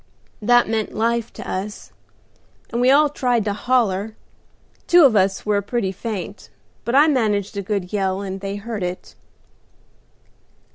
That meant life to us, and we all tried to holler; two of us were pretty faint, but I managed a good yell, and they heard it.